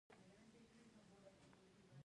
آیا د اورګاډي پټلۍ اقتصاد بدل نه کړ؟